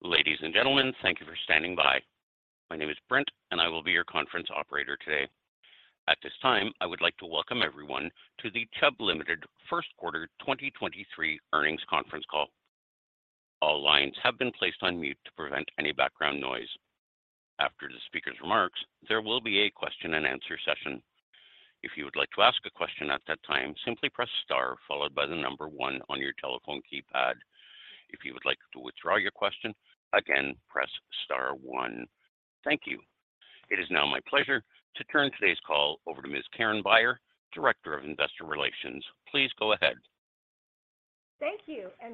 Ladies and gentlemen, thank you for standing by. My name is Brent, and I will be your conference operator today. At this time, I would like to welcome everyone to the Chubb Limited First Quarter 2023 Earnings Conference Call. All lines have been placed on mute to prevent any background noise. After the speaker's remarks, there will be a question-and-answer session. If you would like to ask a question at that time, simply press star followed by the number one on your telephone keypad. If you would like to withdraw your question, again, press star one. Thank you. It is now my pleasure to turn today's call over to Ms. Karen Beyer, Director of Investor Relations. Please go ahead.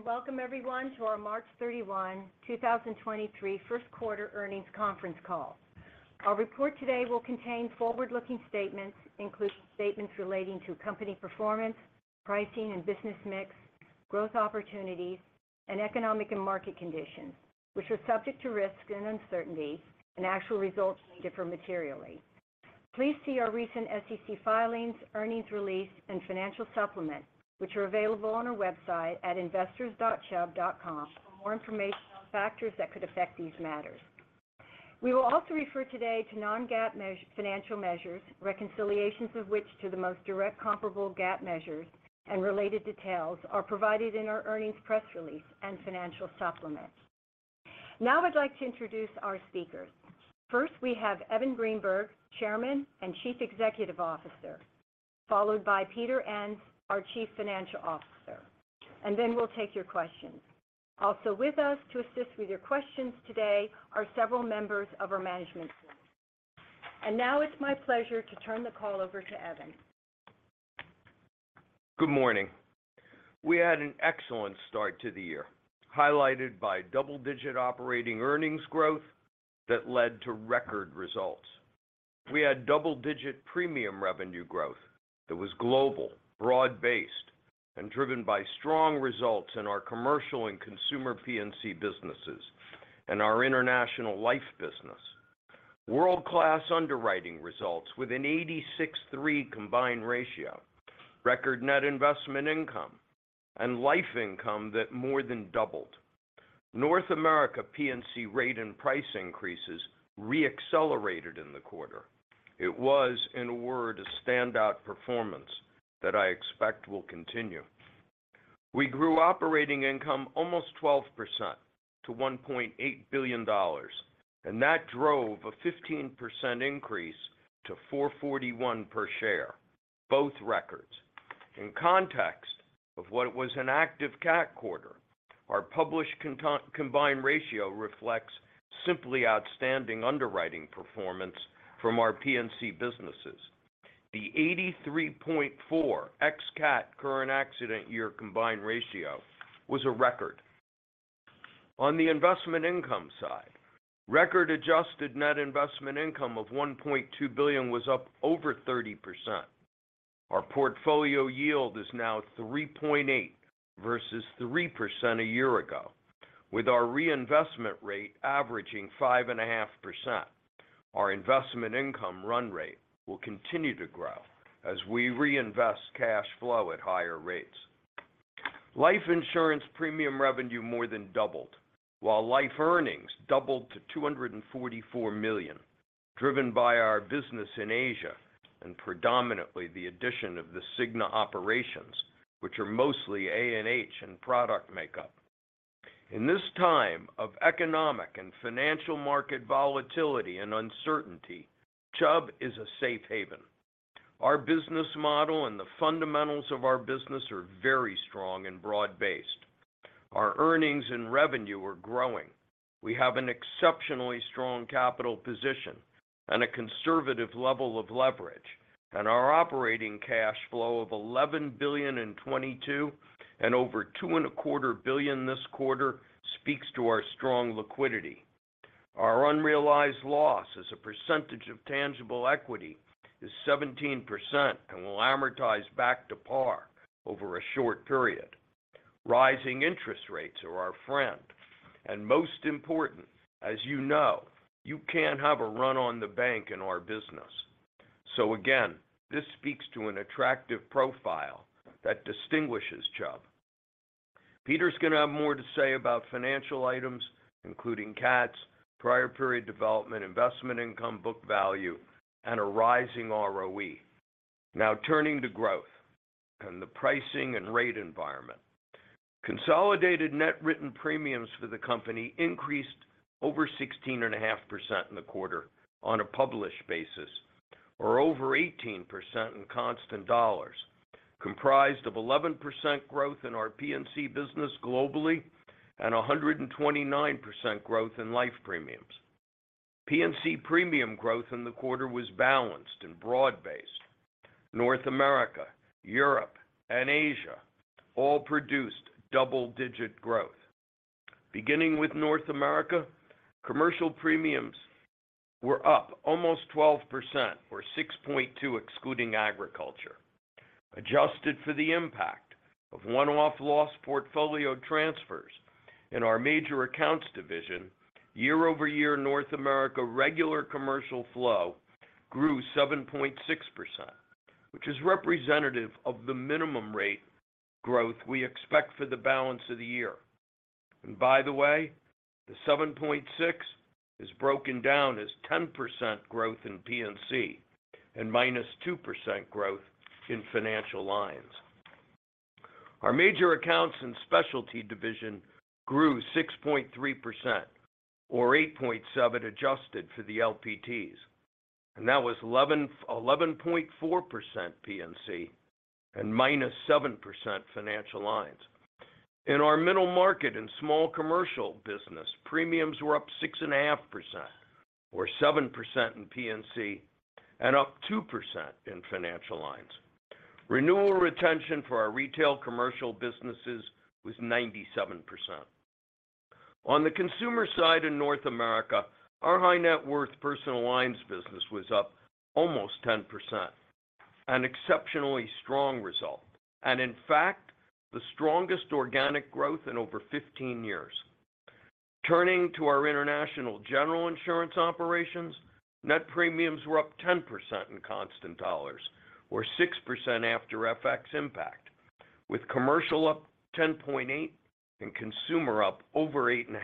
Welcome everyone to our March 31, 2023 first quarter earnings conference call. Our report today will contain forward-looking statements, including statements relating to company performance, pricing and business mix, growth opportunities, and economic and market conditions, which are subject to risks and uncertainties. Actual results may differ materially. Please see our recent SEC filings, earnings release, and financial supplement, which are available on our website at investors.chubb.com for more information on factors that could affect these matters. We will also refer today to non-GAAP financial measures, reconciliations of which to the most direct comparable GAAP measures and related details are provided in our earnings press release and financial supplement. Now I'd like to introduce our speakers. First, we have Evan Greenberg, Chairman and Chief Executive Officer, followed by Peter Enns, our Chief Financial Officer. Then we'll take your questions. Also with us to assist with your questions today are several members of our management team. Now it's my pleasure to turn the call over to Evan. Good morning. We had an excellent start to the year, highlighted by double-digit operating earnings growth that led to record results. We had double-digit premium revenue growth that was global, broad-based, and driven by strong results in our Commercial and Consumer P&C businesses and our International Life business. World-class underwriting results with an 86.3 combined ratio, record net investment income, and Life income that more than doubled. North America P&C rate and price increases re-accelerated in the quarter. It was, in a word, a standout performance that I expect will continue. We grew operating income almost 12% to $1.8 billion, and that drove a 15% increase to $4.41 per share, both records. In context of what was an active cat quarter, our published combined ratio reflects simply outstanding underwriting performance from our P&C businesses. The 83.4 ex-cat current accident year combined ratio was a record. On the investment income side, record adjusted net investment income of $1.2 billion was up over 30%. Our portfolio yield is now 3.8% versus 3% a year ago. With our reinvestment rate averaging 5.5%, our investment income run rate will continue to grow as we reinvest cash flow at higher rates. Life insurance premium revenue more than doubled, while life earnings doubled to $244 million, driven by our business in Asia and predominantly the addition of the Cigna operations, which are mostly A&H in product makeup. In this time of economic and financial market volatility and uncertainty, Chubb is a safe haven. Our business model and the fundamentals of our business are very strong and broad-based. Our earnings and revenue are growing. We have an exceptionally strong capital position and a conservative level of leverage, and our operating cash flow of $11 billion in 2022 and over $2 and a quarter billion this quarter speaks to our strong liquidity. Our unrealized loss as a percentage of tangible equity is 17% and will amortize back to par over a short period. Rising interest rates are our friend, and most important, as you know, you can't have a run on the bank in our business. Again, this speaks to an attractive profile that distinguishes Chubb. Peter's going to have more to say about financial items, including cats, prior period development, investment income, book value, and a rising ROE. Turning to growth and the pricing and rate environment. Consolidated net written premiums for the company increased over 16.5% in the quarter on a published basis or over 18% in constant dollars, comprised of 11% growth in our P&C business globally and 129% growth in life premiums. P&C premium growth in the quarter was balanced and broad-based. North America, Europe, and Asia all produced double-digit growth. Beginning with North America, commercial premiums were up almost 12% or 6.2% excluding agriculture. Adjusted for the impact of one-off Loss Portfolio Transfers in our major accounts division, year-over-year North America regular commercial flow grew 7.6%, which is representative of the minimum rate growth we expect for the balance of the year. By the way, the 7.6% is broken down as 10% growth in P&C and -2% growth in financial lines. Our major accounts and specialty division grew 6.3% or 8.7% adjusted for the LPTs. That was 11.4% P&C and -7% financial lines. In our middle market and small commercial business, premiums were up 6.5% or 7% in P&C and up 2% in financial lines. Renewal retention for our retail commercial businesses was 97%. On the consumer side in North America, our high net worth personal lines business was up almost 10%, an exceptionally strong result. In fact, the strongest organic growth in over 15 years. Turning to our international general insurance operations, net premiums were up 10% in constant dollars or 6% after FX impact, with commercial up 10.8% and consumer up over 8.5%.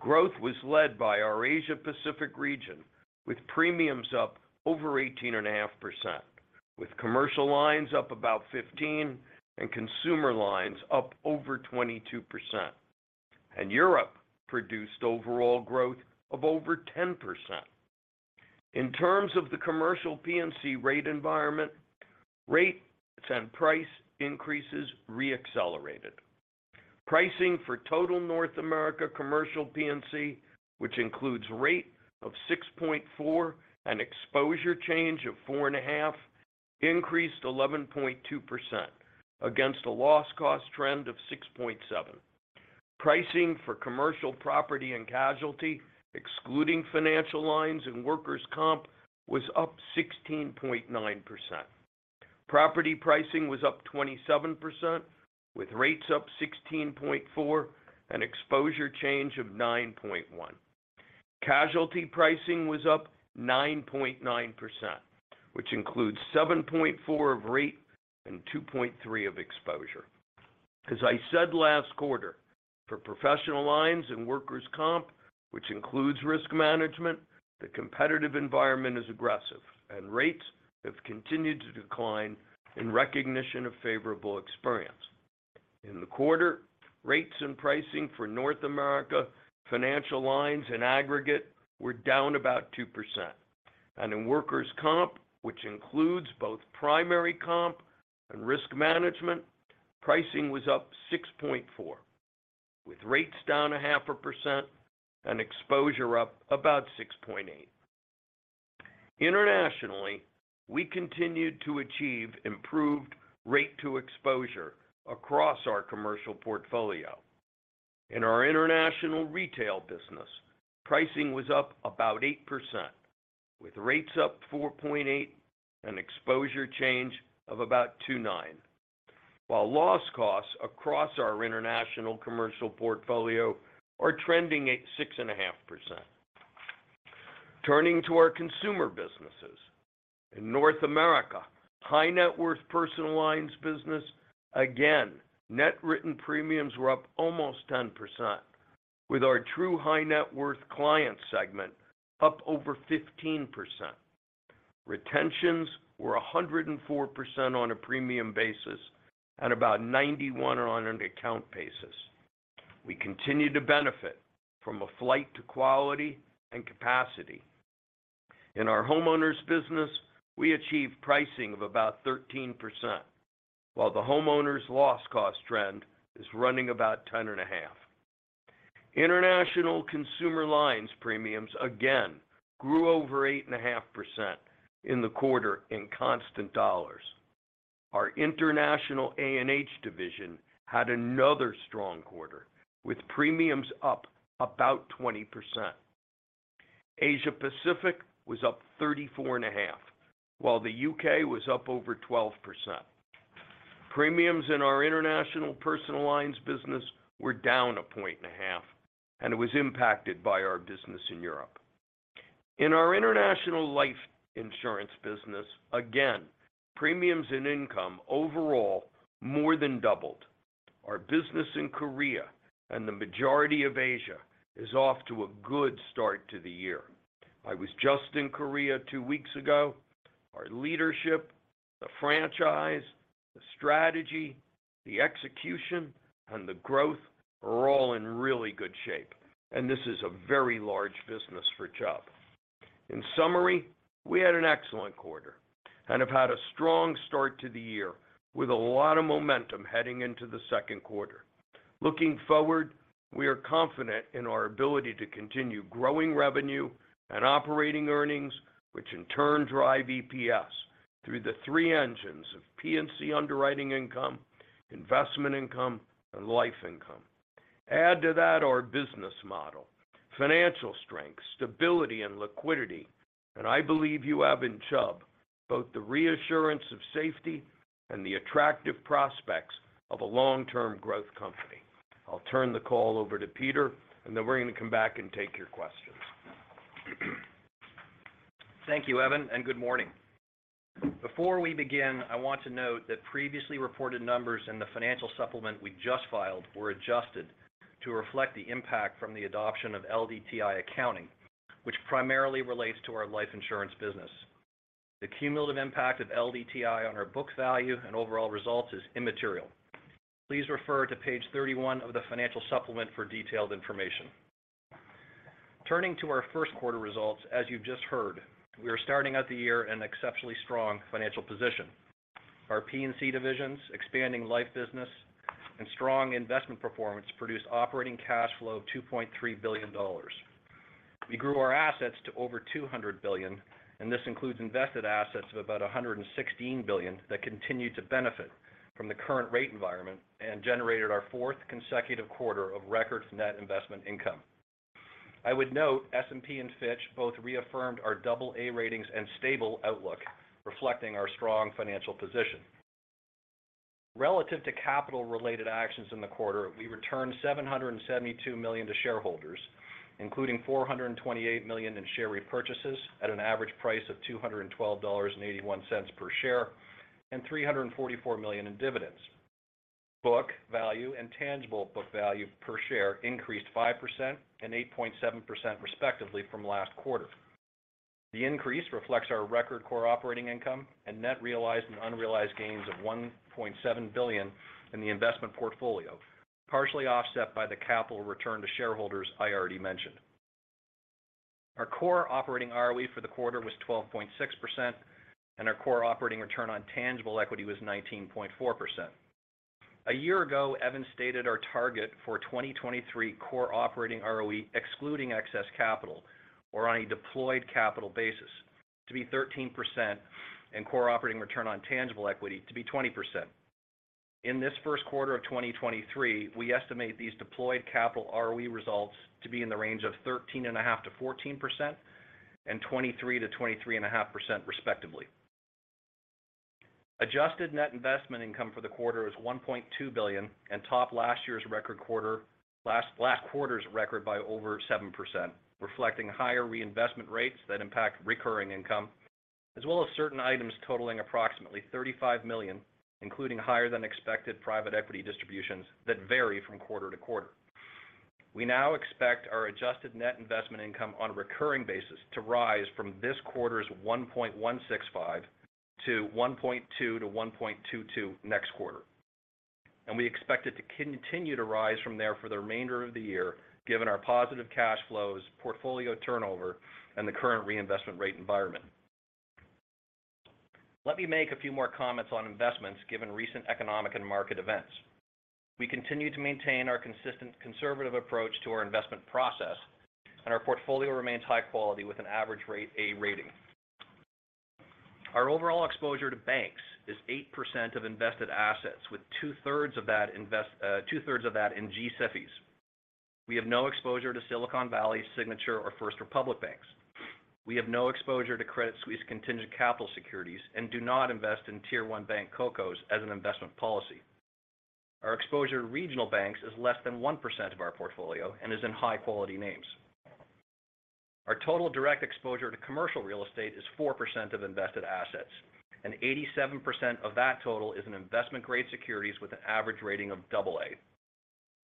Growth was led by our Asia Pacific region, with premiums up over 18.5%, with commercial lines up about 15% and consumer lines up over 22%. Europe produced overall growth of over 10%. In terms of the commercial P&C rate environment, rates and price increases re-accelerated. Pricing for total North America commercial P&C, which includes rate of 6.4% and exposure change of 4.5%, increased 11.2% against a loss cost trend of 6.7%. Pricing for commercial property and casualty, excluding financial lines and workers' comp, was up 16.9%. Property pricing was up 27%, with rates up 16.4% and exposure change of 9.1%. Casualty pricing was up 9.9%, which includes 7.4% of rate and 2.3% of exposure. As I said last quarter, for professional lines and workers' comp, which includes risk management, the competitive environment is aggressive and rates have continued to decline in recognition of favorable experience. In the quarter, rates and pricing for North America financial lines in aggregate were down about 2%. In workers' comp, which includes both primary comp and risk management, pricing was up 6.4%, with rates down half a percent and exposure up about 6.8%. Internationally, we continued to achieve improved rate to exposure across our commercial portfolio. In our international retail business, pricing was up about 8%, with rates up 4.8% and exposure change of about 2.9%. Loss costs across our international commercial portfolio are trending at 6.5%. Turning to our consumer businesses. In North America, high net worth personal lines business, again, net written premiums were up almost 10%, with our true high net worth client segment up over 15%. Retentions were 104% on a premium basis and about 91 on an account basis. We continue to benefit from a flight to quality and capacity. In our homeowners business, we achieved pricing of about 13%, while the homeowners loss cost trend is running about 10.5. International consumer lines premiums again grew over 8.5% in the quarter in constant dollars. Our international A&H division had another strong quarter with premiums up about 20%. Asia Pacific was up 34.5, while the UK was up over 12%. Premiums in our international personal lines business were down 1.5 points, and it was impacted by our business in Europe. In our international life insurance business, again, premiums and income overall more than doubled. Our business in Korea and the majority of Asia is off to a good start to the year. I was just in Korea two weeks ago. Our leadership, the franchise, the strategy, the execution, and the growth are all in really good shape, and this is a very large business for Chubb. In summary, we had an excellent quarter and have had a strong start to the year with a lot of momentum heading into the second quarter. Looking forward, we are confident in our ability to continue growing revenue and operating earnings, which in turn drive EPS through the three engines of P&C underwriting income, investment income, and life income. Add to that our business model, financial strength, stability and liquidity, and I believe you have in Chubb both the reassurance of safety and the attractive prospects of a long-term growth company. I'll turn the call over to Peter, and then we're going to come back and take your questions. Thank you, Evan. Good morning. Before we begin, I want to note that previously reported numbers in the financial supplement we just filed were adjusted to reflect the impact from the adoption of LDTI accounting, which primarily relates to our life insurance business. The cumulative impact of LDTI on our book value and overall results is immaterial. Please refer to page 31 of the financial supplement for detailed information. Turning to our first quarter results, as you've just heard, we are starting out the year in exceptionally strong financial position. Our P&C divisions, expanding life business, and strong investment performance produced operating cash flow of $2.3 billion. We grew our assets to over $200 billion, and this includes invested assets of about $116 billion that continue to benefit from the current rate environment and generated our fourth consecutive quarter of record net investment income. I would note S&P and Fitch both reaffirmed our AA ratings and stable outlook, reflecting our strong financial position. Relative to capital-related actions in the quarter, we returned $772 million to shareholders, including $428 million in share repurchases at an average price of $212.81 per share, and $344 million in dividends. Book value and tangible book value per share increased 5% and 8.7% respectively from last quarter. The increase reflects our record core operating income and net realized and unrealized gains of $1.7 billion in the investment portfolio, partially offset by the capital return to shareholders I already mentioned. Our core operating ROE for the quarter was 12.6%, and our core operating return on tangible equity was 19.4%. A year ago, Evan stated our target for 2023 core operating ROE excluding excess capital or on a deployed capital basis to be 13% and core operating return on tangible equity to be 20%. In this first quarter of 2023, we estimate these deployed capital ROE results to be in the range of 13.5%-14% and 23%-23.5% respectively. Adjusted net investment income for the quarter is $1.2 billion and topped last quarter's record by over 7%, reflecting higher reinvestment rates that impact recurring income, as well as certain items totaling approximately $35 million, including higher than expected private equity distributions that vary from quarter to quarter. We now expect our adjusted net investment income on a recurring basis to rise from this quarter's $1.165 to $1.2-$1.22 next quarter, and we expect it to continue to rise from there for the remainder of the year, given our positive cash flows, portfolio turnover, and the current reinvestment rate environment. Let me make a few more comments on investments given recent economic and market events. We continue to maintain our consistent conservative approach to our investment process, and our portfolio remains high quality with an average A rating. Our overall exposure to banks is 8% of invested assets, with 2/3 of that in G-SIFIs. We have no exposure to Silicon Valley, Signature Bank, or First Republic Bank. We have no exposure to Credit Suisse Contingent Capital Securities and do not invest in Tier 1 Bank CoCos as an investment policy. Our exposure to regional banks is less than 1% of our portfolio and is in high-quality names. Our total direct exposure to commercial real estate is 4% of invested assets, and 87% of that total is in investment-grade securities with an average rating of AA.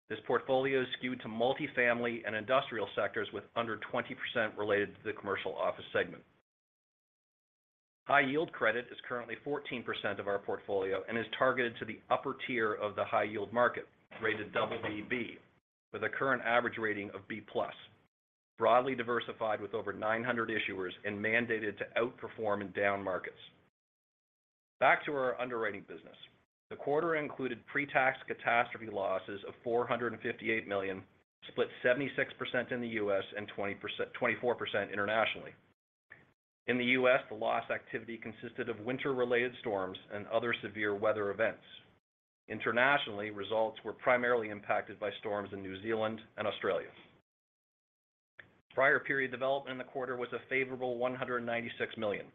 This portfolio is skewed to multifamily and industrial sectors with under 20% related to the commercial office segment. High-yield credit is currently 14% of our portfolio and is targeted to the upper tier of the high-yield market, rated BB, with a current average rating of B+, broadly diversified with over 900 issuers and mandated to outperform in down markets. Back to our underwriting business. The quarter included pre-tax catastrophe losses of $458 million, split 76% in the U.S. and 20%-24% internationally. In the U.S., the loss activity consisted of winter-related storms and other severe weather events. Internationally, results were primarily impacted by storms in New Zealand and Australia. Prior period development in the quarter was a favorable $196 million.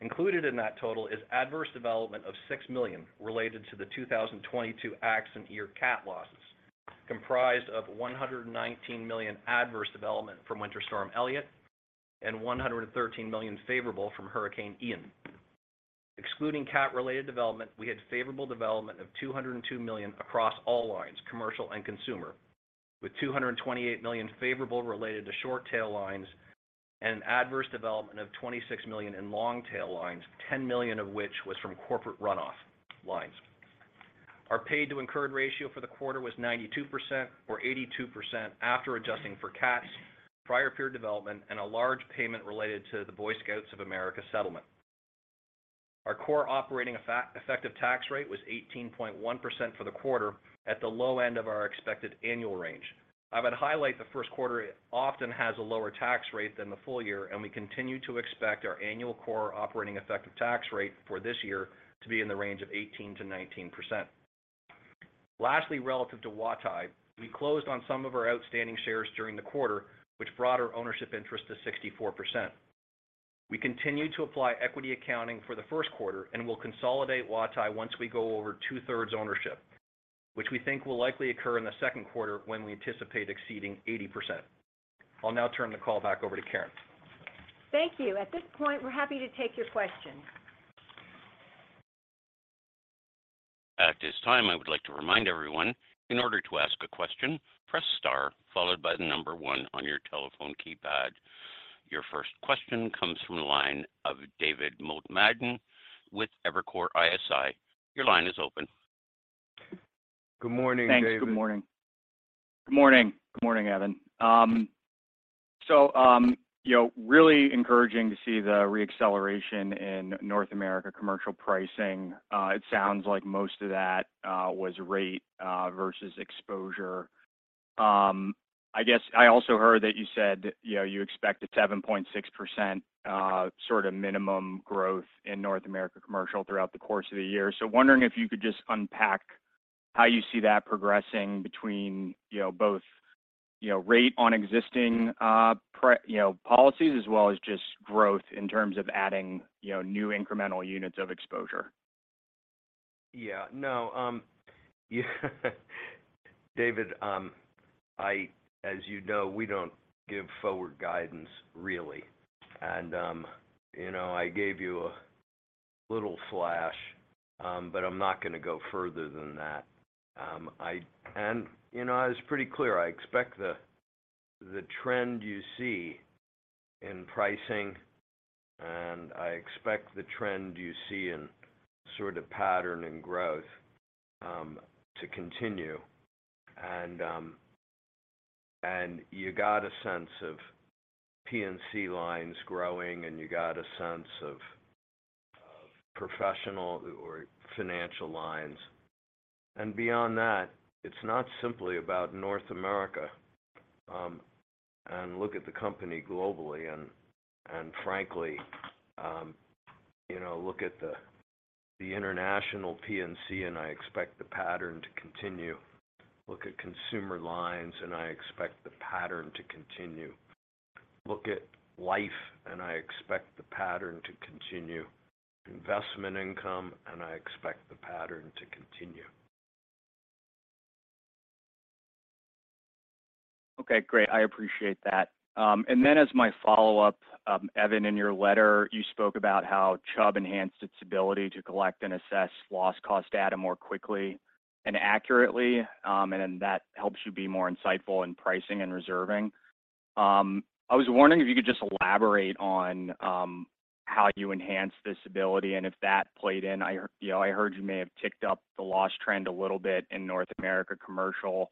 Included in that total is adverse development of $6 million related to the 2022 accident year cat losses, comprised of $119 million adverse development from Winter Storm Elliott and $113 million favorable from Hurricane Ian. Excluding cat-related development, we had favorable development of $202 million across all lines, commercial and consumer, with $228 million favorable related to short tail lines and an adverse development of $26 million in long tail lines, $10 million of which was from corporate runoff lines. Our paid to incurred ratio for the quarter was 92% or 82% after adjusting for cats, prior period development, and a large payment related to the Boy Scouts of America settlement. Our core operating effective tax rate was 18.1% for the quarter at the low end of our expected annual range. I would highlight the first quarter often has a lower tax rate than the full year. We continue to expect our annual core operating effective tax rate for this year to be in the range of 18%-19%. Lastly, relative to Huatai, we closed on some of our outstanding shares during the quarter, which brought our ownership interest to 64%. We continue to apply equity accounting for the first quarter and will consolidate Huatai once we go over two-thirds ownership. Which we think will likely occur in the second quarter when we anticipate exceeding 80%. I'll now turn the call back over to Karen. Thank you. At this point, we're happy to take your questions. At this time, I would like to remind everyone, in order to ask a question, press star followed by 1 on your telephone keypad. Your first question comes from the line of David Motemaden with Evercore ISI. Your line is open. Good morning, David. Thanks. Good morning. Good morning. Good morning, Evan. You know, really encouraging to see the re-acceleration in North America Commercial pricing. It sounds like most of that was rate versus exposure. I guess I also heard that you said, you know, you expect a 7.6% sort of minimum growth in North America Commercial throughout the course of the year. Wondering if you could just unpack how you see that progressing between, you know, both, you know, rate on existing, you know, policies as well as just growth in terms of adding, you know, new incremental units of exposure? Yeah. No, yeah. David, as you know, we don't give forward guidance, really. You know, I gave you a little flash, but I'm not gonna go further than that. You know, I was pretty clear. I expect the trend you see in pricing, and I expect the trend you see in sort of pattern and growth to continue. You got a sense of P&C lines growing, and you got a sense of professional or financial lines. Beyond that, it's not simply about North America, and look at the company globally. Frankly, you know, look at the international P&C, and I expect the pattern to continue. Look at consumer lines, and I expect the pattern to continue. Look at life, and I expect the pattern to continue. Investment income, and I expect the pattern to continue. Okay, great. I appreciate that. As my follow-up, Evan, in your letter, you spoke about how Chubb enhanced its ability to collect and assess loss cost data more quickly and accurately, that helps you be more insightful in pricing and reserving. I was wondering if you could just elaborate on how you enhanced this ability and if that played in. You know, I heard you may have ticked up the loss trend a little bit in North America Commercial.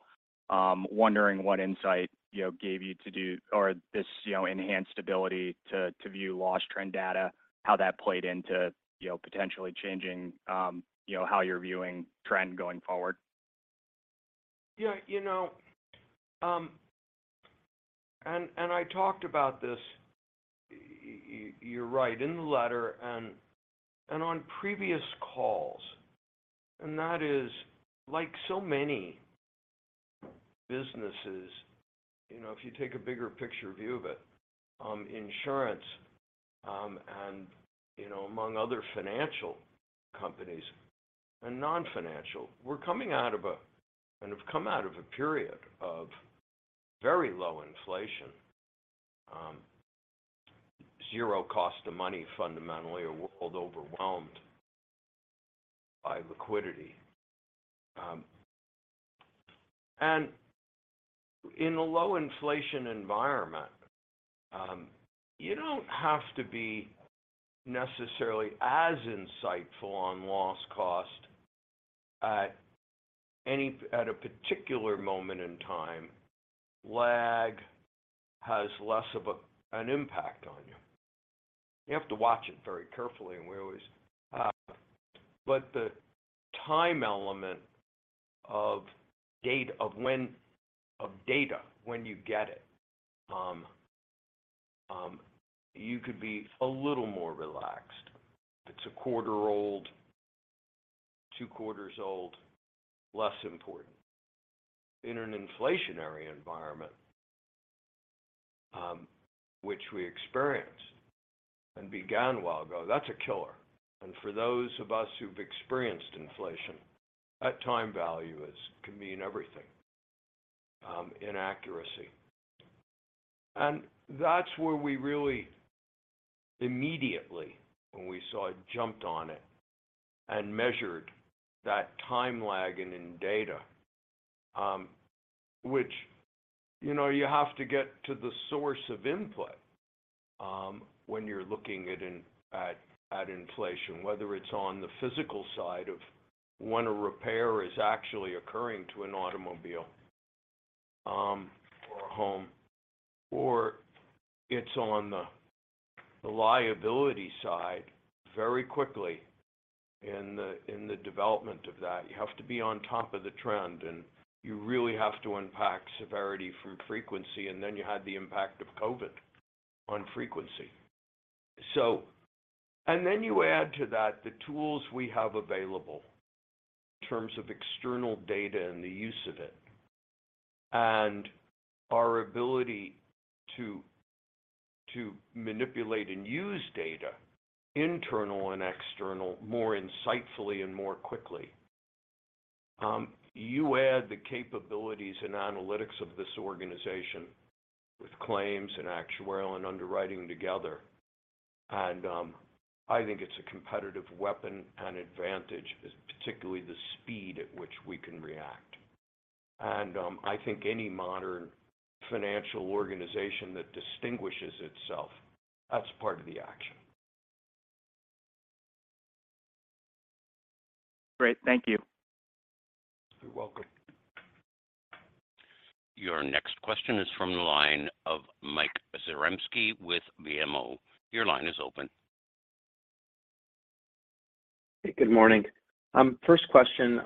Wondering what insight, you know, gave you to do or this, you know, enhanced ability to view loss trend data, how that played into, you know, potentially changing, you know, how you're viewing trend going forward. Yeah, you know, I talked about this, you're right, in the letter and on previous calls. That is like so many businesses, you know, if you take a bigger picture view of it, insurance, and, you know, among other financial companies and non-financial, we have come out of a period of very low inflation. Zero cost of money fundamentally, a world overwhelmed by liquidity. In a low inflation environment, you don't have to be necessarily as insightful on loss cost at a particular moment in time. Lag has less of an impact on you. You have to watch it very carefully, and we always. The time element of data, when you get it, you could be a little more relaxed. If it's a quarter old, two quarters old, less important. In an inflationary environment, which we experienced and began a while ago, that's a killer. For those of us who've experienced inflation, that time value is, can mean everything in accuracy. That's where we really immediately, when we saw it, jumped on it and measured that time lag and in data, which, you know, you have to get to the source of input when you're looking at inflation. Whether it's on the physical side of when a repair is actually occurring to an automobile, or a home, or it's on the liability side very quickly in the development of that. You have to be on top of the trend, and you really have to unpack severity from frequency, and then you had the impact of COVID on frequency. Then you add to that the tools we have available in terms of external data and the use of it. Our ability to manipulate and use data, internal and external, more insightfully and more quickly. You add the capabilities and analytics of this organization with claims and actuarial and underwriting together, and I think it's a competitive weapon and advantage, particularly the speed at which we can react. I think any modern financial organization that distinguishes itself, that's part of the action. Great. Thank you. You're welcome. Your next question is from the line of Mike Zaremski with BMO. Your line is open. Good morning. First question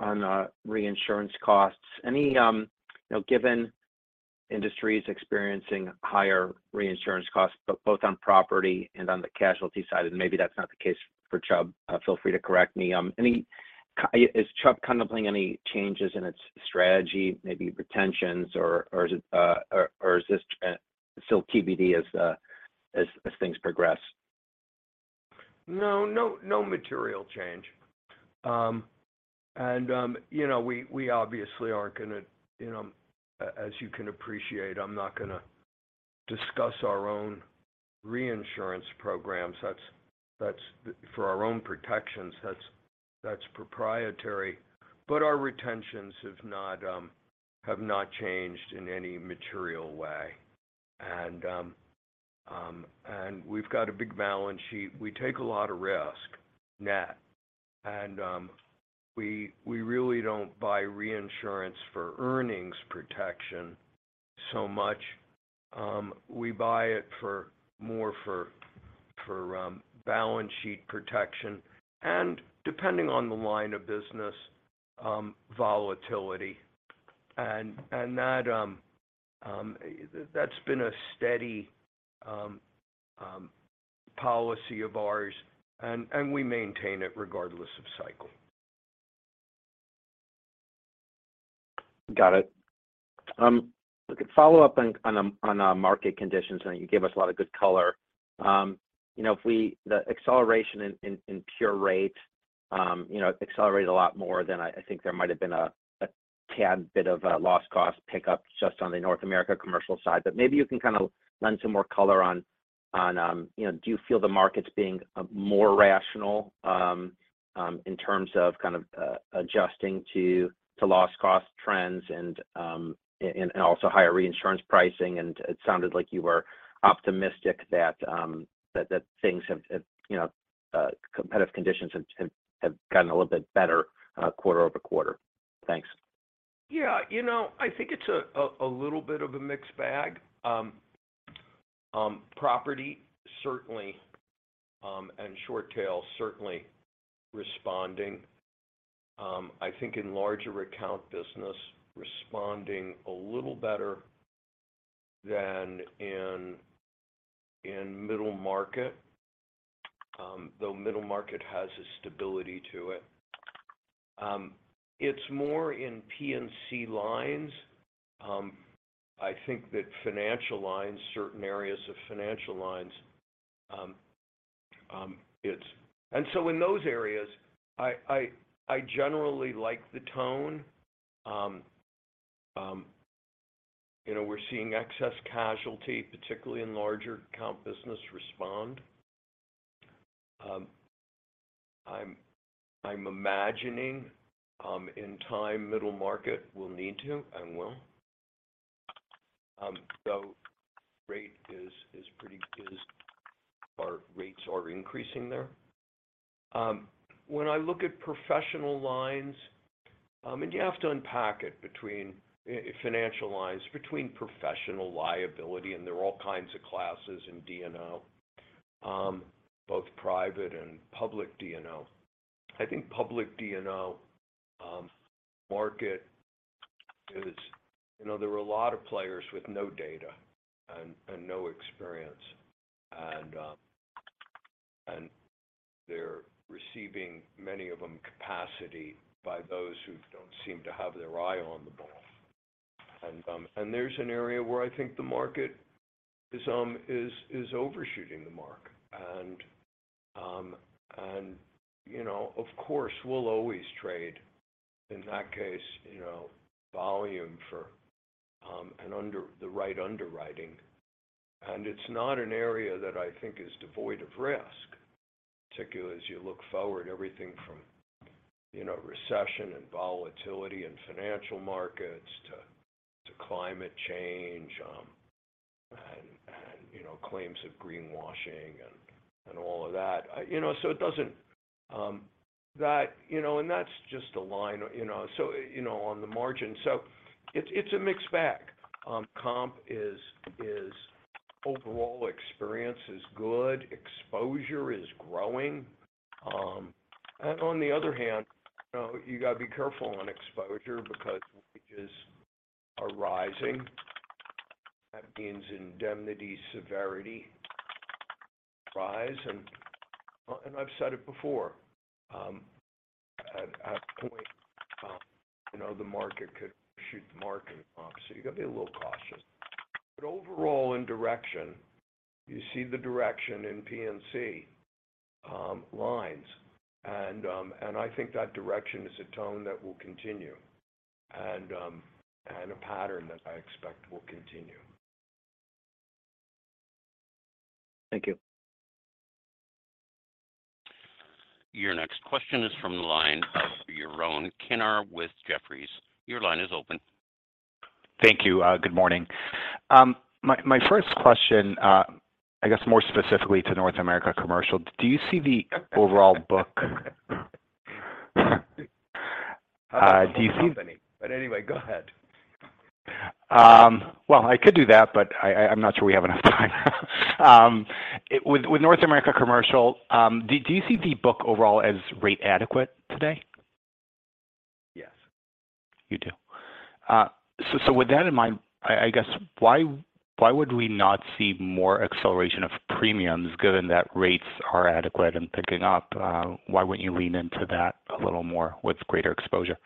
on reinsurance costs. You know, given industry is experiencing higher reinsurance costs both on property and on the casualty side, and maybe that's not the case for Chubb, feel free to correct me. Is Chubb contemplating any changes in its strategy, maybe retentions or is this still TBD as things progress? No, no material change. You know, we obviously aren't gonna, you know, as you can appreciate, I'm not gonna discuss our own reinsurance programs. That's for our own protections, that's proprietary. Our retentions have not changed in any material way. We've got a big balance sheet. We take a lot of risk, net. We really don't buy reinsurance for earnings protection so much. We buy it for more for balance sheet protection, and depending on the line of business, volatility. That's been a steady policy of ours, and we maintain it regardless of cycle. Got it. Look, a follow-up on market conditions. I know you gave us a lot of good color. You know, the acceleration in pure rate, you know, accelerated a lot more than I think there might have been a tad bit of a loss cost pickup just on the North America commercial side. Maybe you can kind of lend some more color on, you know, do you feel the market's being more rational in terms of kind of adjusting to loss cost trends and also higher reinsurance pricing? It sounded like you were optimistic that things have, you know, competitive conditions have gotten a little bit better quarter-over-quarter. Thanks. Yeah. You know, I think it's a little bit of a mixed bag. Property certainly, and short tail certainly responding. I think in larger account business responding a little better than in middle market, though middle market has a stability to it. It's more in P&C lines. I think that financial lines, certain areas of financial lines, In those areas, I generally like the tone. You know, we're seeing excess casualty, particularly in larger account business respond. I'm imagining, in time middle market will need to and will. Rate is our rates are increasing there. When I look at professional lines, you have to unpack it between financial lines, between professional liability, and there are all kinds of classes in D&O, both private and public D&O. I think public D&O market is, you know, there are a lot of players with no data and no experience. They're receiving, many of them, capacity by those who don't seem to have their eye on the ball. There's an area where I think the market is overshooting the mark. You know, of course, we'll always trade, in that case, you know, volume for the right underwriting. It's not an area that I think is devoid of risk, particularly as you look forward, everything from, you know, recession and volatility in financial markets to climate change, and, you know, claims of greenwashing and all of that. It doesn't. You know, and that's just a line, you know, so, you know, on the margin. It's a mixed bag. Comp is, overall experience is good, exposure is growing. On the other hand, you know, you gotta be careful on exposure because wages are rising. That means indemnity severity rise, and I've said it before, at a point, you know, the market could shoot the market. So you got to be a little cautious. Overall in direction, you see the direction in P&C lines. I think that direction is a tone that will continue and a pattern that I expect will continue. Thank you. Your next question is from the line of Yaron Kinar with Jefferies. Your line is open. Thank you. good morning. my first question, I guess more specifically to North America Commercial, do you see- How about the company? Anyway, go ahead. Well, I could do that, but I'm not sure we have enough time. With North America Commercial, do you see the book overall as rate adequate today? Yes. You do. With that in mind, I guess why would we not see more acceleration of premiums given that rates are adequate and picking up? Why wouldn't you lean into that a little more with greater exposure?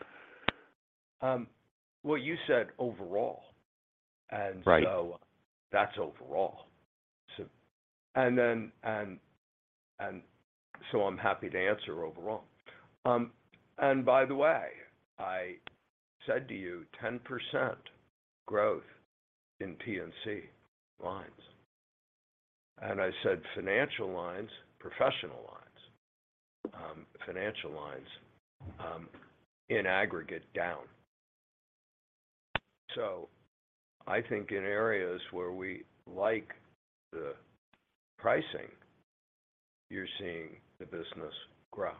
Well you said overall. Right. That's overall. Then, and so I'm happy to answer overall. By the way, I said to you 10% growth in P&C lines. I said financial lines, professional lines, financial lines, in aggregate down. I think in areas where we like the pricing, you're seeing the business grow.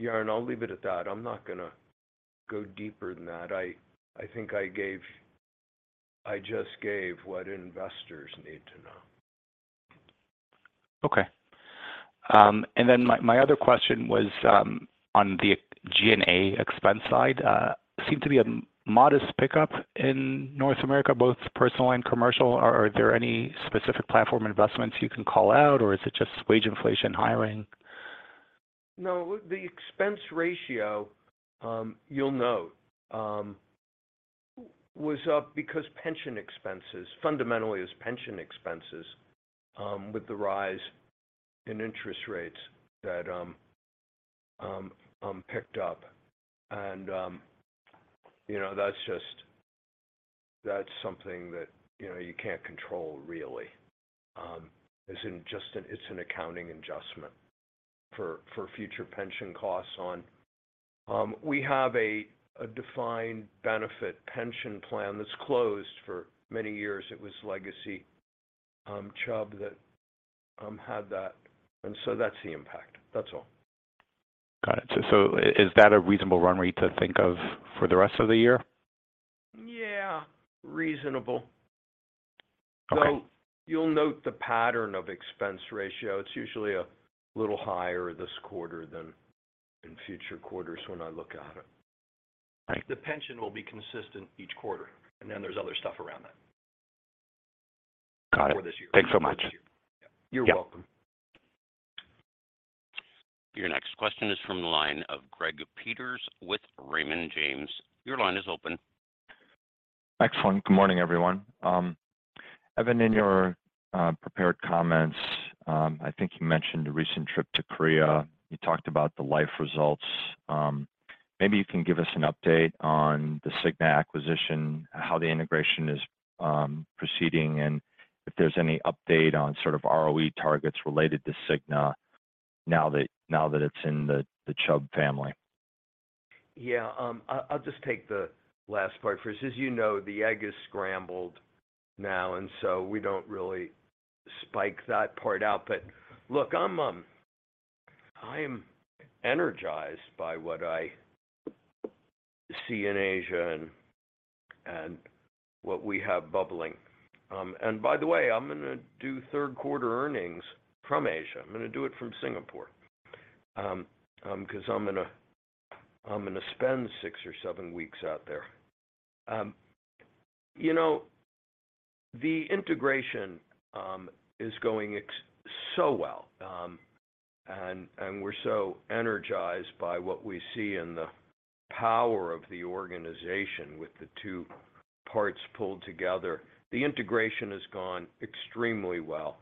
Yaron, I'll leave it at that. I'm not gonna go deeper than that. I think I just gave what investors need to know. Okay. My other question was on the G&A expense side. Seemed to be a modest pickup in North America, both personal and commercial. Are there any specific platform investments you can call out, or is it just wage inflation hiring? No, the expense ratio, you'll note, was up because pension expenses, fundamentally it's pension expenses, with the rise in interest rates that picked up. You know, that's just, that's something that, you know, you can't control really. It's an accounting adjustment for future pension costs on. We have a defined benefit pension plan that's closed for many years. It was legacy Chubb that had that. That's the impact. That's all. Got it. Is that a reasonable run rate to think of for the rest of the year? Yeah, reasonable. Okay. You'll note the pattern of expense ratio. It's usually a little higher this quarter than in future quarters when I look at it. Thank you. The pension will be consistent each quarter, and then there's other stuff around that. Got it. For this year. Thanks so much. You're welcome. Yep. Your next question is from the line of Greg Peters with Raymond James. Your line is open. Excellent. Good morning, everyone. Evan, in your prepared comments, I think you mentioned a recent trip to Korea. You talked about the life results. Maybe you can give us an update on the Cigna acquisition, how the integration is proceeding, and if there's any update on sort of ROE targets related to Cigna now that it's in the Chubb family. Yeah. I'll just take the last part first. As you know, the egg is scrambled now, we don't really spike that part out. Look, I'm energized by what I see in Asia and what we have bubbling. By the way, I'm gonna do third quarter earnings from Asia. I'm gonna do it from Singapore because I'm gonna spend six or seven weeks out there. You know, the integration is going so well. We're so energized by what we see and the power of the organization with the two parts pulled together. The integration has gone extremely well.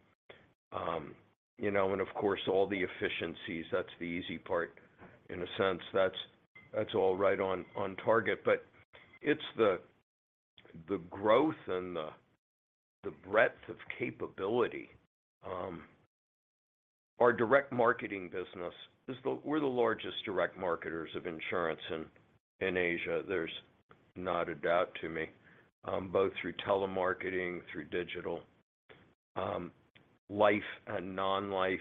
You know, of course, all the efficiencies, that's the easy part. In a sense, that's all right on target. It's the growth and the breadth of capability. Our direct marketing business is we're the largest direct marketers of insurance in Asia. There's not a doubt to me, both through telemarketing, through digital, life and non-life,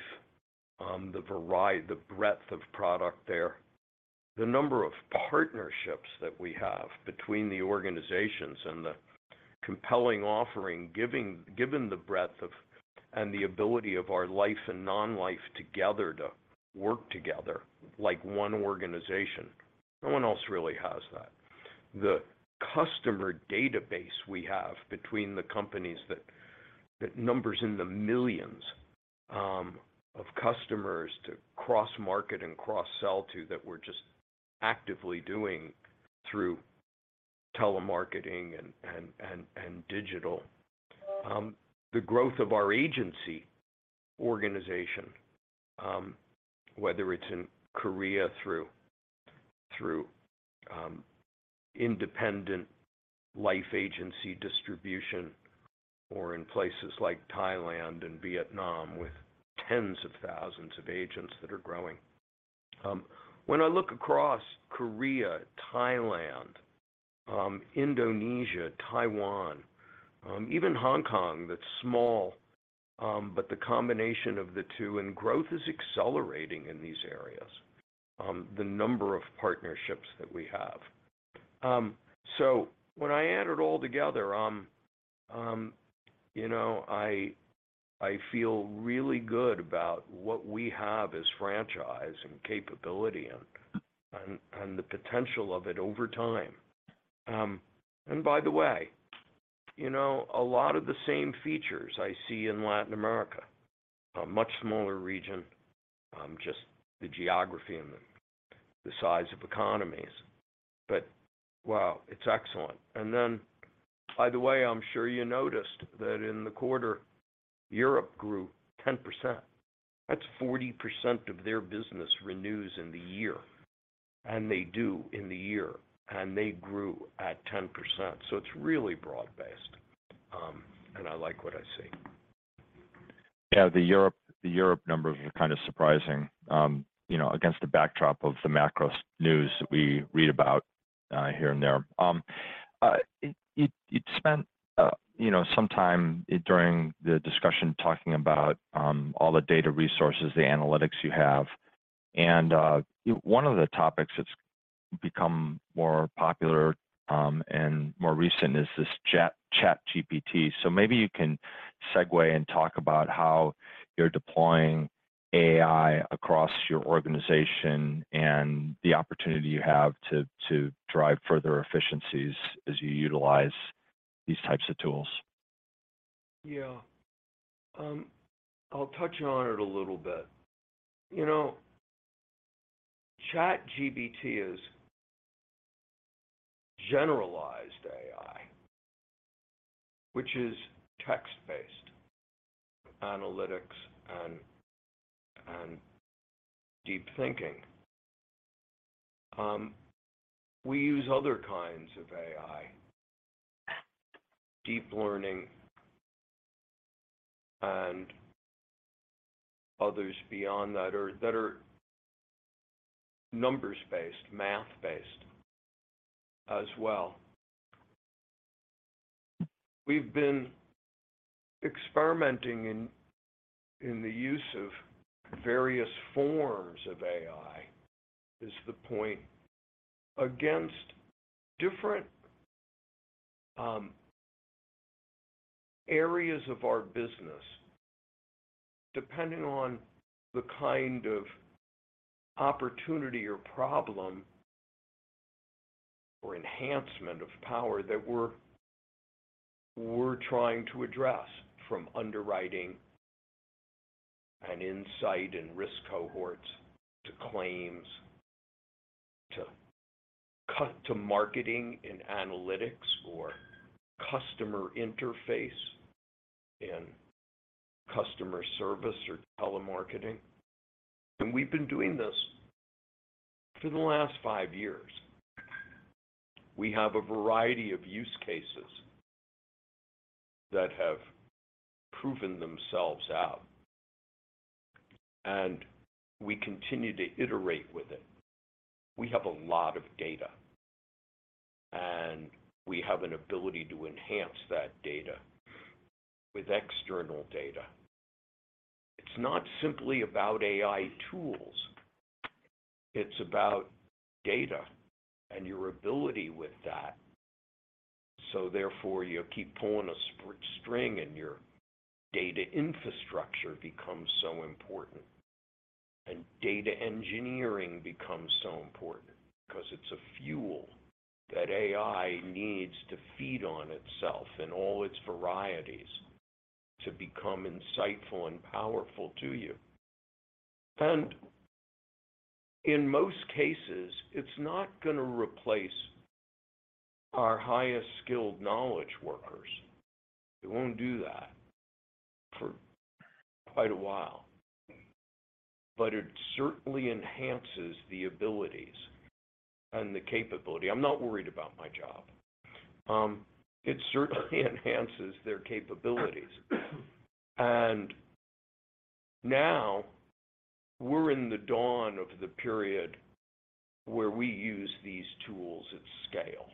the breadth of product there. The number of partnerships that we have between the organizations and the compelling offering given the breadth of, and the ability of our life and non-life together to work together like one organization, no one else really has that. The customer database we have between the companies that numbers in the millions, of customers to cross-market and cross-sell to that we're just actively doing through telemarketing and digital. The growth of our agency organization, whether it's in Korea through independent life agency distribution or in places like Thailand and Vietnam with tens of thousands of agents that are growing. When I look across Korea, Thailand, Indonesia, Taiwan, even Hong Kong that's small, but the combination of the two, and growth is accelerating in these areas, the number of partnerships that we have. When I add it all together, you know, I feel really good about what we have as franchise and capability and the potential of it over time. By the way, you know, a lot of the same features I see in Latin America, a much smaller region, just the geography and the size of economies. Wow, it's excellent. By the way, I'm sure you noticed that in the quarter, Europe grew 10%. That's 40% of their business renews in the year, and they do in the year, and they grew at 10%. It's really broad-based, and I like what I see. Yeah. The Europe numbers are kind of surprising, you know, against the backdrop of the macros news that we read about here and there. You'd spent, you know, some time during the discussion talking about all the data resources, the analytics you have, and one of the topics that's become more popular and more recent is this Chat, ChatGPT. Maybe you can segue and talk about how you're deploying AI across your organization and the opportunity you have to drive further efficiencies as you utilize these types of tools. I'll touch on it a little bit. You know, ChatGPT is generalized AI, which is text-based analytics and deep thinking. We use other kinds of AI, deep learning and others beyond that are numbers-based, math-based as well. We've been experimenting in the use of various forms of AI, is the point, against different areas of our business, depending on the kind of opportunity or problem or enhancement of power that we're trying to address from underwriting and insight and risk cohorts to claims to marketing and analytics or customer interface and customer service or telemarketing. We've been doing this for the last five years. We have a variety of use cases that have proven themselves out, and we continue to iterate with it. We have a lot of data, and we have an ability to enhance that data with external data. It's not simply about AI tools. It's about data and your ability with that. Therefore, you keep pulling a string, and your data infrastructure becomes so important, and data engineering becomes so important because it's a fuel that AI needs to feed on itself in all its varieties to become insightful and powerful to you. In most cases, it's not gonna replace our highest-skilled knowledge workers. It won't do that for quite a while. It certainly enhances the abilities and the capability. I'm not worried about my job. It certainly enhances their capabilities. Now we're in the dawn of the period where we use these tools at scale,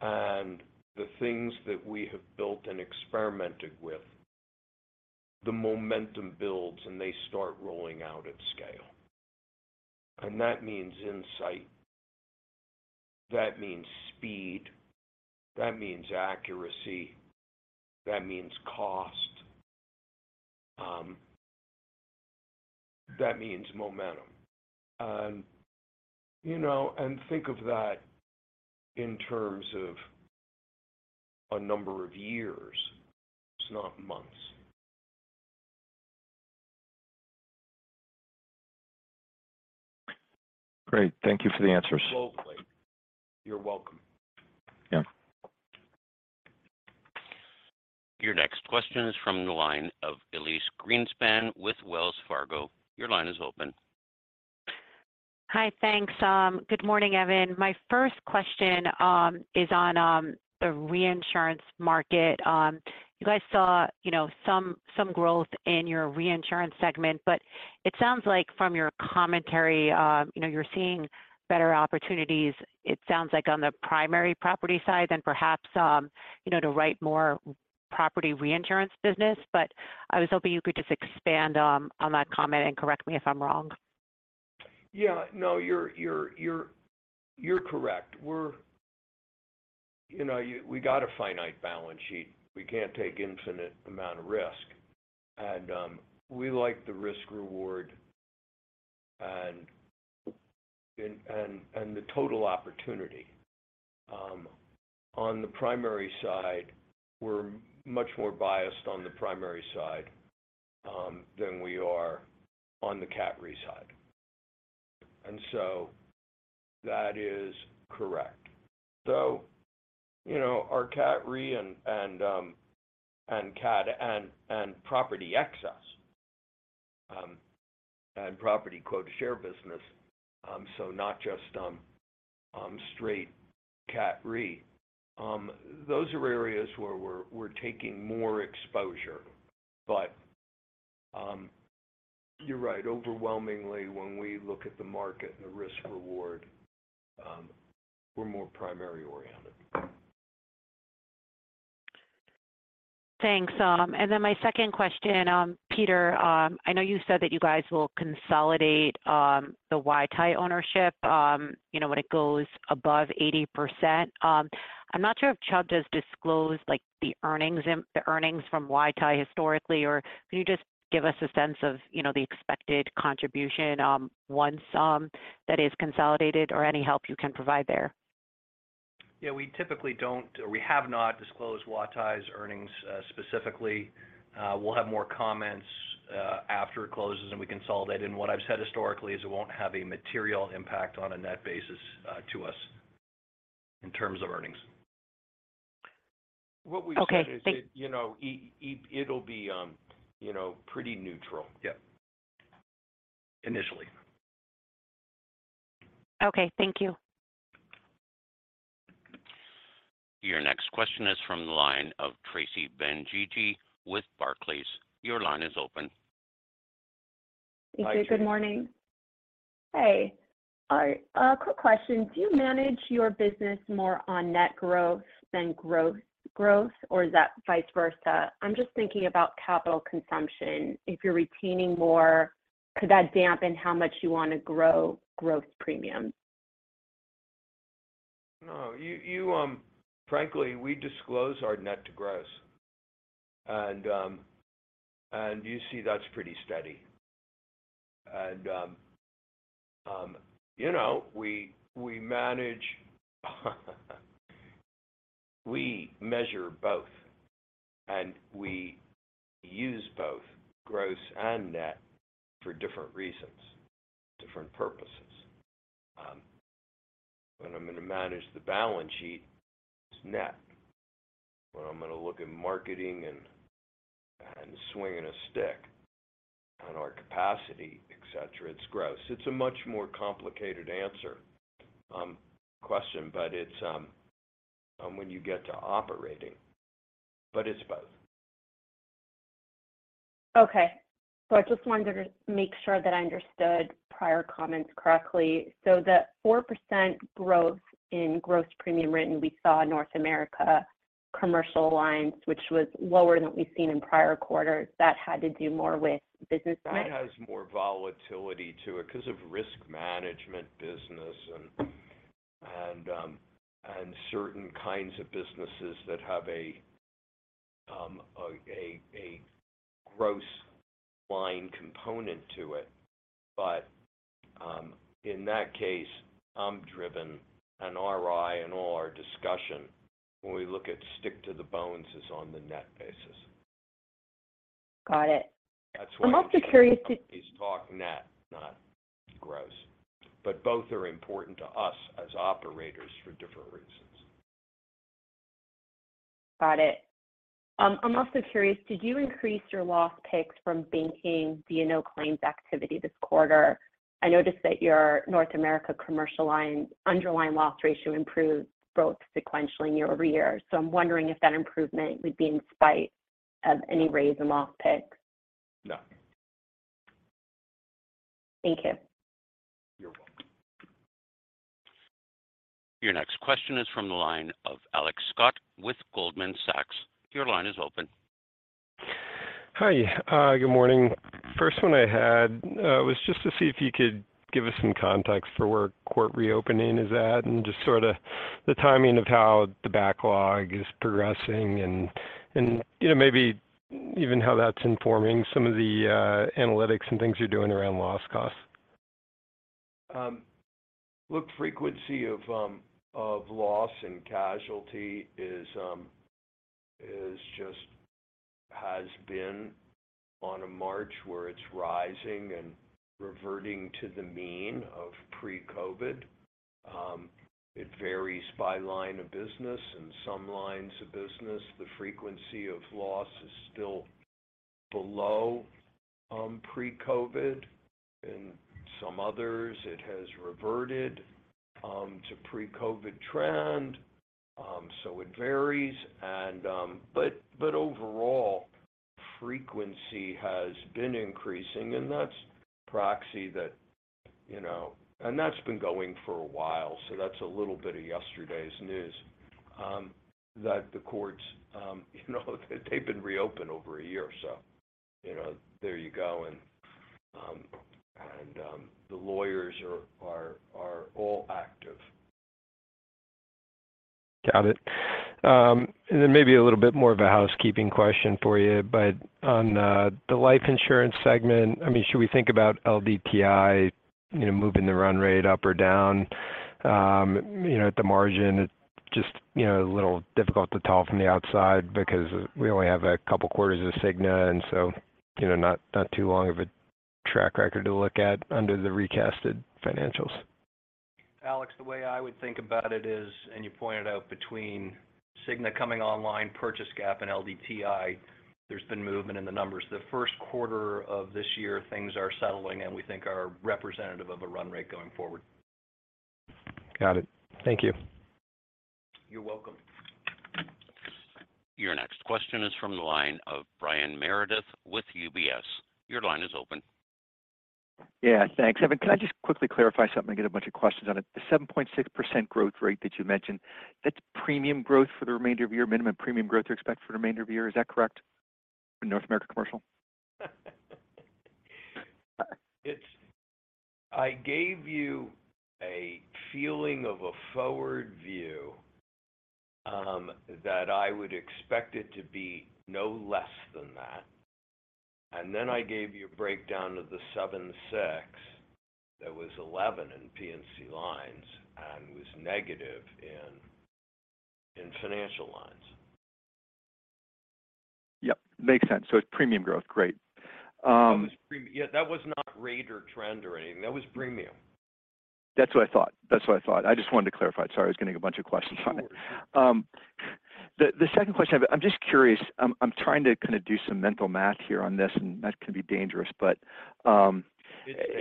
and the things that we have built and experimented with, the momentum builds, and they start rolling out at scale. That means insight. That means speed. That means accuracy. That means cost. That means momentum. You know, think of that in terms of a number of years. It's not months. Great. Thank you for the answers. Globally. You're welcome. Yeah. Your next question is from the line of Elyse Greenspan with Wells Fargo. Your line is open. Hi. Thanks. Good morning, Evan. My first question is on the reinsurance market. You guys saw, you know, some growth in your reinsurance segment, but it sounds like from your commentary, you know, you're seeing better opportunities, it sounds like, on the primary property side than perhaps, you know, to write more property reinsurance business. I was hoping you could just expand on that comment, and correct me if I'm wrong. Yeah. No, you're correct. You know, we got a finite balance sheet. We can't take infinite amount of risk. We like the risk reward and the total opportunity. On the primary side, we're much more biased on the primary side than we are on the cat re side. That is correct. You know, our cat re and cat and property excess and property quote share business, so not just straight cat re, those are areas where we're taking more exposure. You're right. Overwhelmingly, when we look at the market and the risk reward, we're more primary oriented. Thanks. My second question, Peter, I know you said that you guys will consolidate the Huatai ownership, you know, when it goes above 80%. I'm not sure if Chubb has disclosed, like, the earnings from Huatai historically, or can you just give us a sense of, you know, the expected contribution, once that is consolidated or any help you can provide there? Yeah, we typically don't or we have not disclosed Huatai's earnings, specifically. We'll have more comments after it closes and we consolidate. What I've said historically is it won't have a material impact on a net basis to us in terms of earnings. Okay. What we said is that, you know, it'll be, you know, pretty neutral. Yeah. Initially. Okay, thank you. Your next question is from the line of Tracy Benguigui with Barclays. Your line is open. Hi, Tracy. Thank you. Good morning. Hey. A quick question. Do you manage your business more on net growth than growth growth, or is that vice versa? I'm just thinking about capital consumption. If you're retaining more, could that dampen how much you want to grow growth premium? No. You Frankly, we disclose our net to gross. You see that's pretty steady. You know, we measure both, and we use both gross and net for different reasons, different purposes. When I'm going to manage the balance sheet, it's net. When I'm going to look at marketing and swinging a stick on our capacity, et cetera, it's gross. It's a much more complicated answer, question, but it's when you get to operating, but it's both. Okay. I just wanted to make sure that I understood prior comments correctly. The 4% growth in gross premium written we saw in North America commercial lines, which was lower than what we've seen in prior quarters, that had to do more with business mix? That has more volatility to it because of risk management business and certain kinds of businesses that have a gross line component to it. In that case, I'm driven an RI in all our discussion when we look at stick to the bones is on the net basis. Got it. That's why- I'm also curious to- He's talking net, not gross. Both are important to us as operators for different reasons. Got it. I'm also curious, did you increase your loss picks from banking via no claims activity this quarter? I noticed that your North America commercial line underlying loss ratio improved both sequentially and year-over-year. I'm wondering if that improvement would be in spite of any raise in loss picks. No. Thank you. You're welcome. Your next question is from the line of Alex Scott with Goldman Sachs. Your line is open. Hi. Good morning. First one I had, was just to see if you could give us some context for where court reopening is at and just sort of the timing of how the backlog is progressing and, you know, maybe even how that's informing some of the analytics and things you're doing around loss costs? Look, frequency of loss and casualty is just has been on a march where it's rising and reverting to the mean of pre-COVID. It varies by line of business. In some lines of business, the frequency of loss is still below pre-COVID. In some others, it has reverted to pre-COVID trend, so it varies. But overall, frequency has been increasing, and that's proxy that, you know. That's been going for a while, so that's a little bit of yesterday's news that the courts, you know, they've been reopened over a year or so. You know, there you go and the lawyers are all active. Got it. Maybe a little bit more of a housekeeping question for you, but on the life insurance segment, I mean, should we think about LDTI, you know, moving the run rate up or down, you know, at the margin? It's just, you know, a little difficult to tell from the outside because we only have a couple quarters of Cigna and so, not too long of a track record to look at under the recasted financials. Alex, the way I would think about it is, and you pointed out between Cigna coming online, purchase gap, and LDTI, there's been movement in the numbers. The first quarter of this year, things are settling and we think are representative of a run rate going forward. Got it. Thank you. You're welcome. Your next question is from the line of Brian Meredith with UBS. Your line is open. Thanks. Evan, can I just quickly clarify something? I get a bunch of questions on it. The 7.6% growth rate that you mentioned, that's premium growth for the remainder of the year, minimum premium growth you expect for the remainder of the year. Is that correct for North America Commercial? I gave you a feeling of a forward view, that I would expect it to be no less than that. I gave you a breakdown of the 7.6 that was 11 in P&C lines and was negative in financial lines. Yep. Makes sense. It's premium growth. Great. Yeah, that was not rate or trend or anything. That was premium. That's what I thought. I just wanted to clarify. Sorry, I was getting a bunch of questions on it. Sure. The second question I have, I'm just curious. I'm trying to kind of do some mental math here on this, and that can be dangerous. But, It's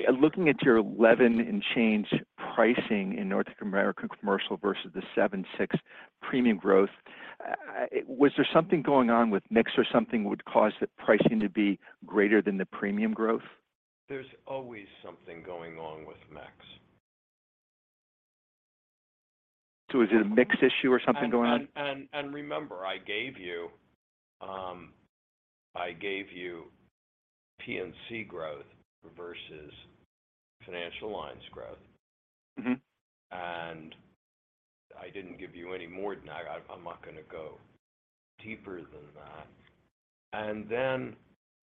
okay. looking at your 11 and change pricing in North American Commercial versus the 7.6% premium growth, was there something going on with mix or something would cause the pricing to be greater than the premium growth? There's always something going on with mix. Is it a mix issue or something going on? Remember, I gave you P&C growth versus financial lines growth. Mm-hmm. I didn't give you any more than that. I'm not gonna go deeper than that. Then,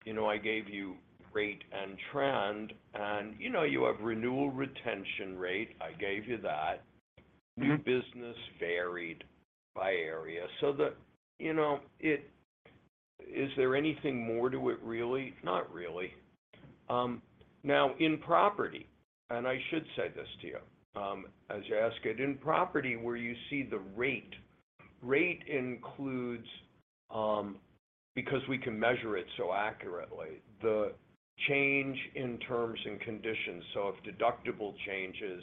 you know, I gave you rate and trend and, you know, you have renewal retention rate. I gave you that. Mm-hmm. New business varied by area. you know, is there anything more to it really? Not really. Now in property, and I should say this to you, as you ask it. In property where you see the rate includes, because we can measure it so accurately, the change in terms and conditions. If deductible changes,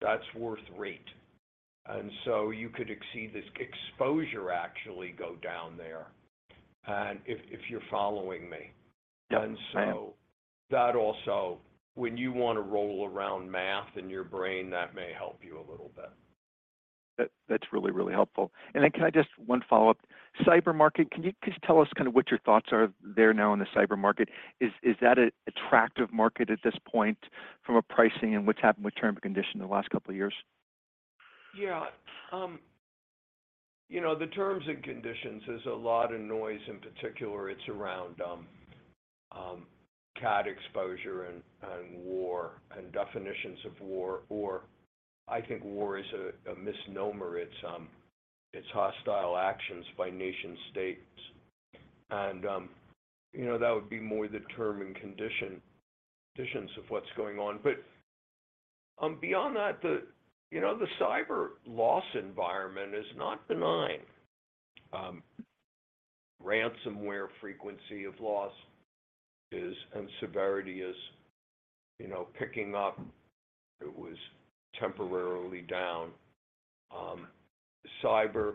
that's worth rate. you could see this exposure actually go down there, and if you're following me. Yeah. I am. That also, when you want to roll around math in your brain, that may help you a little bit. That's really, really helpful. Can I just one follow-up? cyber market, can you just tell us kind of what your thoughts are there now in the cyber market? Is that an attractive market at this point from a pricing and what's happened with term and condition in the last couple of years? Yeah. you know, the terms and conditions, there's a lot of noise in particular. It's around, CAT exposure and war and definitions of war, or I think war is a misnomer. It's hostile actions by nation states. you know, that would be more the terms and conditions of what's going on. beyond that, the, you know, the cyber loss environment is not benign. ransomware frequency of loss is, and severity is, you know, picking up. It was temporarily down. cyber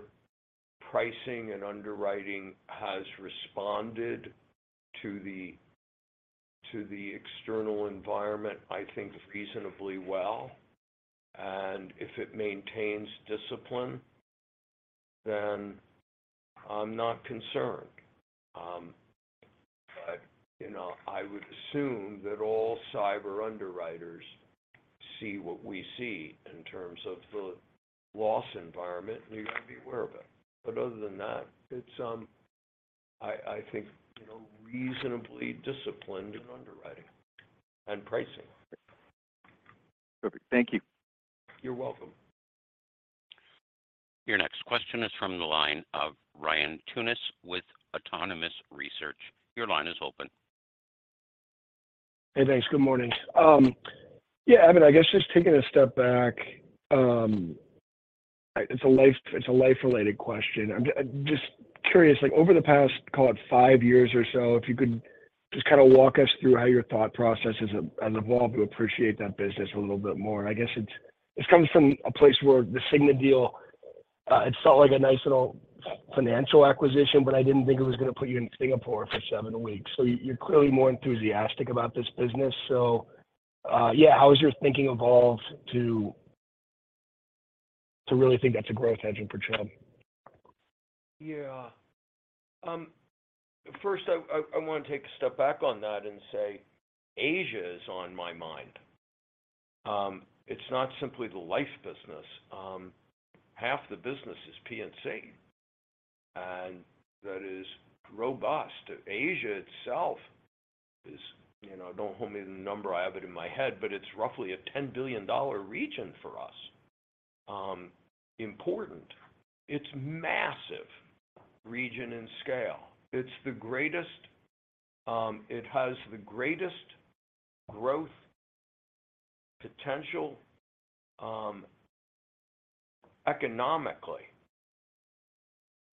pricing and underwriting has responded to the, to the external environment, I think reasonably well. If it maintains discipline, then I'm not concerned. you know, I would assume that all cyber underwriters see what we see in terms of the loss environment, and you've got to be aware of it. Other than that, it's, I think, you know, reasonably disciplined in underwriting and pricing. Perfect. Thank you. You're welcome. Your next question is from the line of Ryan Tunis with Autonomous Research. Your line is open. Hey, thanks. Good morning. Yeah, I mean, I guess just taking a step back, it's a Life related question. I'm just curious, like over the past, call it 5 years or so, if you could just kind of walk us through how your thought process has evolved to appreciate that business a little bit more. I guess this comes from a place where the Cigna deal, it felt like a nice little financial acquisition, but I didn't think it was gonna put you in Singapore for 7 weeks. You're clearly more enthusiastic about this business. Yeah, how has your thinking evolved to really think that's a growth engine for Chubb? Yeah. First I wanna take a step back on that and say Asia is on my mind. It's not simply the Life business. Half the business is P&C, and that is robust. Asia itself is, you know, don't hold me to the number, I have it in my head, but it's roughly a $10 billion region for us. Important. It's massive region and scale. It's the greatest. It has the greatest growth potential, economically,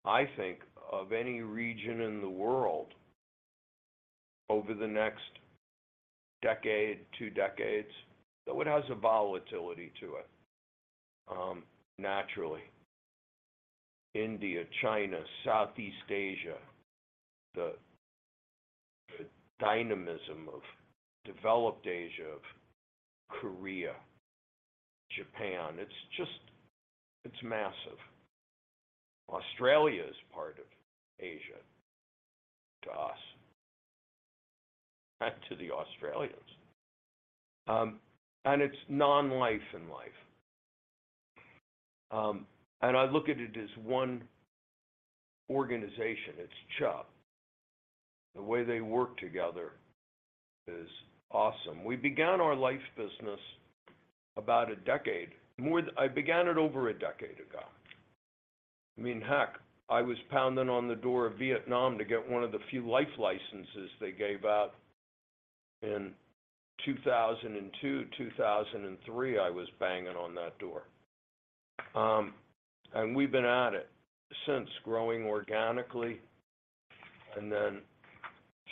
I think, of any region in the world over the next decade, two decades. Though it has a volatility to it, naturally. India, China, Southeast Asia, the dynamism of developed Asia, of Korea, Japan, it's just, it's massive. Australia is part of Asia to us, not to the Australians. It's non-life and life. I look at it as one organization. It's Chubb. The way they work together is awesome. We began our Life business about 10 years. I began it over 10 years ago. I mean, heck, I was pounding on the door of Vietnam to get one of the few Life licenses they gave out in 2002, 2003, I was banging on that door. We've been at it since growing organically and then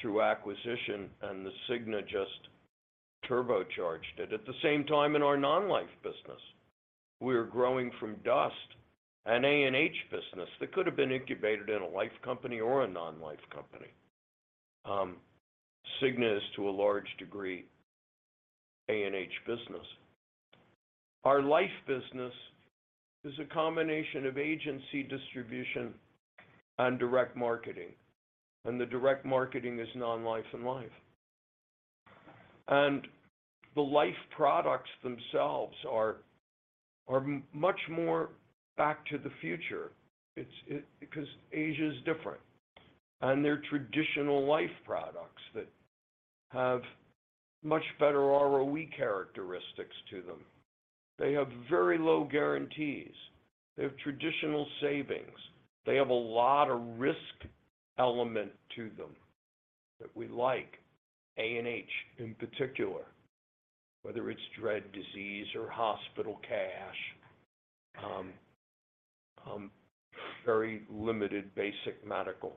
through acquisition, and the Cigna just turbocharged it. At the same time in our non-life business, we were growing from dust, an ANH business that could have been incubated in a Life company or a non-Life company. Cigna is to a large degree ANH business. Our Life business is a combination of agency distribution and direct marketing, and the direct marketing is non-life and life. The Life products themselves are much more back to the future. It's because Asia is different, and they're traditional Life products that have much better ROE characteristics to them. They have very low guarantees. They have traditional savings. They have a lot of risk element to them that we like, A&H in particular, whether it's dread disease or hospital cash, very limited basic medical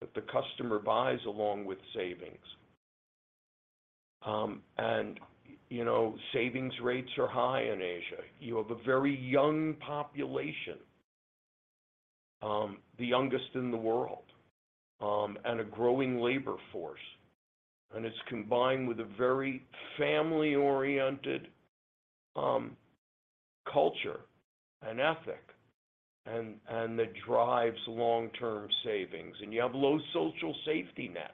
that the customer buys along with savings. You know, savings rates are high in Asia. You have a very young population, the youngest in the world, and a growing labor force, and it's combined with a very family-oriented culture and ethic, and that drives long-term savings. You have low social safety nets.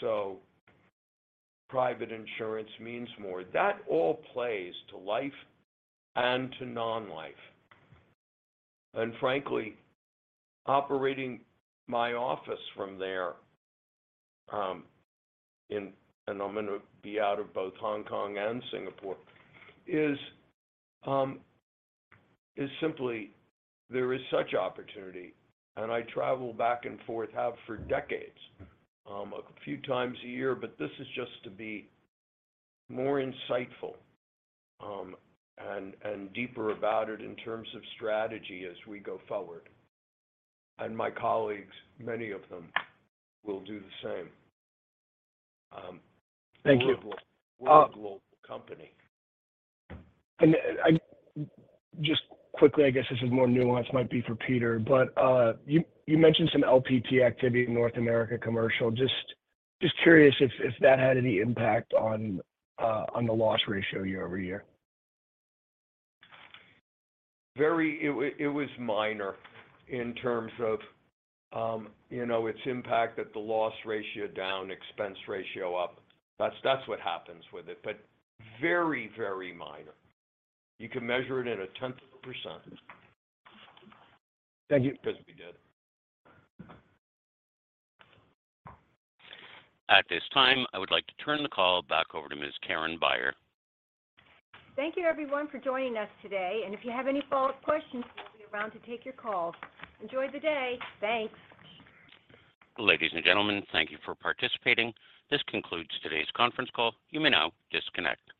So private insurance means more. That all plays to life and to non-life. Frankly, operating my office from there, and I'm gonna be out of both Hong Kong and Singapore, is simply there is such opportunity, and I travel back and forth, have for decades, a few times a year. This is just to be more insightful, and deeper about it in terms of strategy as we go forward. My colleagues, many of them will do the same. Thank you. We're a global company. I Just quickly, I guess this is more nuanced, might be for Peter, but you mentioned some LPT activity in North America commercial. Just curious if that had any impact on the loss ratio year-over-year? Very. It was minor in terms of, you know, its impact at the loss ratio down, expense ratio up. That's what happens with it, but very, very minor. You can measure it in a tenth of a %. Thank you. 'Cause we did. At this time, I would like to turn the call back over to Ms. Karen Beyer. Thank you everyone for joining us today, and if you have any follow-up questions, we'll be around to take your calls. Enjoy the day. Thanks. Ladies and gentlemen, thank you for participating. This concludes today's conference call. You may now disconnect.